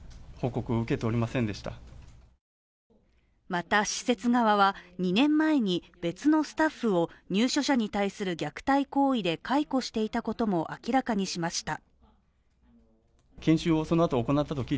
また、施設側は、２年前に別のスタッフを入所者に対する虐待行為で解雇していたことも明らかにしました。